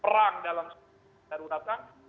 perang dalam kesehatan masyarakat